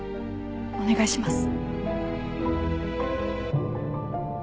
お願いします。